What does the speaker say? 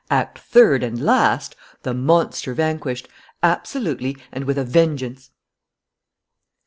Act third and last: the monster vanquished ... absolutely and with a vengeance!"